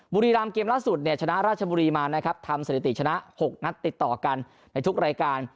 บุรีรำเกมล่าสุดเนี่ยชนะราชบุรีมานะครับทำสถิติชนะ๖นัดติดต่อกันในทุกรายการ